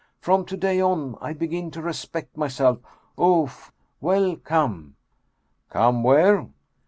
From to day on I begin to respect myself ! Oof ! Well, come !" "Come where?"